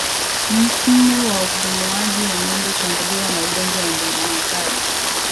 Mfumo wa upumuaji wa ngombe hushambuliwa na ugonjwa wa ndigana kali